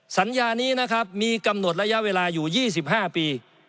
สัญญานี้นะครับมีกำหนดระยะเวลาอยู่๒๕ปี